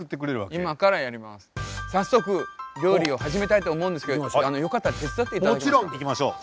早速料理を始めたいと思うんですけどよかったら手伝っていただけますか？